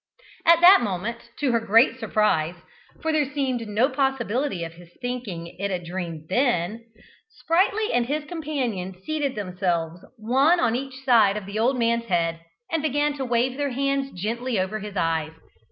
At that moment, to her great surprise (for there seemed no possibility of his thinking it a dream then) Sprightly and his companion seated themselves one on each side of the old man's head, and began to wave their hands gently over his eyes.